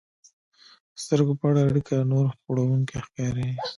د سترګو په اړیکه نور خوړونکي ښکاري.